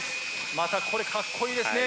またこれかっこいいですね。